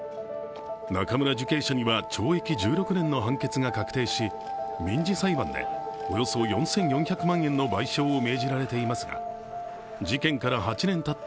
中村受刑者には懲役１６年の判決が確定し、民事裁判でおよそ４４００万円の賠償を命じられていますが事件から８年たった